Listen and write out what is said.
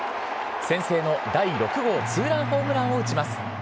先制の第６号２ランホームランを打ちます。